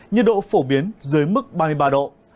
nhiệt độ phổ biến dưới mức ba mươi ba độ